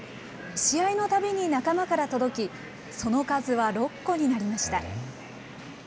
試合のたびに仲間から届き、その数は６個になりました。